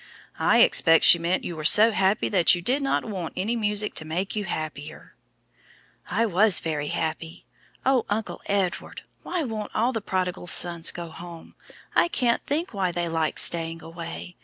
"I expect she meant you were so happy that you did not want any music to make you happier." "I was very happy. Oh, Uncle Edward, why won't all the prodigal sons go home? I can't think why they like staying away.